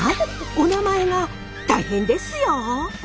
おなまえが大変ですよ！